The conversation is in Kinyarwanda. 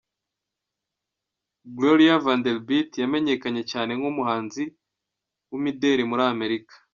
Gloria Vanderbilt, yamenyekanye cyane nk’umuhanzi w’imideli muri Amerika.